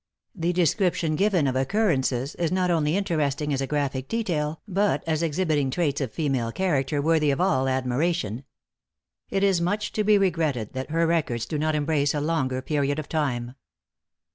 The description given of occurrences, is not only interesting as a graphic detail, but as exhibiting traits of female character worthy of all admiration. It is much to be regretted that her records do not embrace a longer period of time.